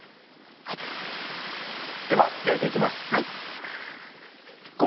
では焼いて行きます。